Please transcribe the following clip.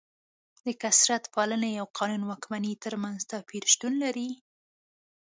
د کثرت پالنې او قانون واکمنۍ ترمنځ توپیر شتون لري.